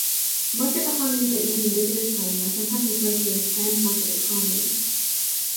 Market economies that use indicative planning are sometimes referred to as "planned market economies".